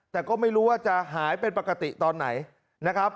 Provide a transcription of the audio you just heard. แต่ก็ไม่รู้ว่าจะหายเป็นปกติตอนไหนนะครับ